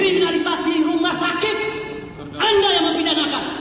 kriminalisasi rumah sakit anda yang mempidanakan